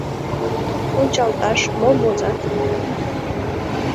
Ончалташ, мом возат.